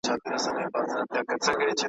د کورنۍ مشر دی، د قوم مشر دی،